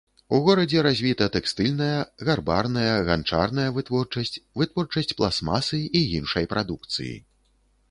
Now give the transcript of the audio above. У горадзе развіта тэкстыльная, гарбарная, ганчарная вытворчасць, вытворчасць пластмасы і іншай прадукцыі.